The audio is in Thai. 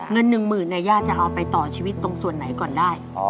เงิน๑๐๐๐เนี่ยย่าจะเอาไปต่อชีวิตตรงส่วนไหนก่อนได้